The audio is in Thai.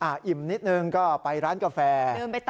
อิ่มนิดนึงก็ไปร้านกาแฟ